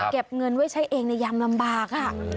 เก็บเงินไว้ใช้เองในยามลำบาก